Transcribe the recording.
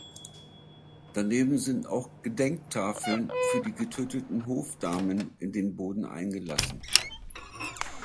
Daneben sind auch Gedenktafeln für die getöteten Hofdamen in den Boden eingelassen.